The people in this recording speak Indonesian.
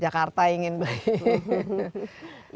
jakarta ingin beli